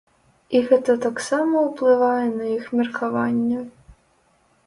І гэта таксама ўплывае на іх меркаванне.